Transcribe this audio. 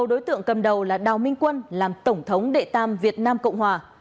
sáu đối tượng cầm đầu là đào minh quân làm tổng thống đệ tam việt nam cộng hòa